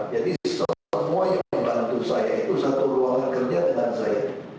jadi semua yang bantu saya itu satu ruangan kerja dengan saya